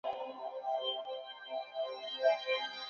是邓小平生母谈氏的墓葬。